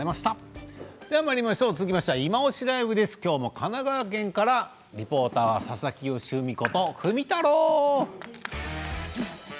続きまして「いまオシ！ＬＩＶＥ」です。今日も神奈川県からリポーターは佐々木芳史ことふみたろう！